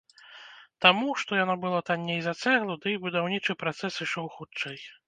Таму, што яно было танней за цэглу, да і будаўнічы працэс ішоў хутчэй.